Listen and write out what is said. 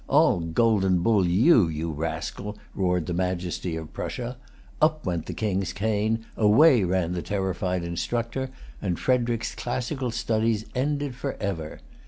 "I'll Golden Bull you, you rascal!" roared the Majesty of Prussia. Up went the King's cane; away ran the terrified instructor; and Frederic's classical studies ended forever.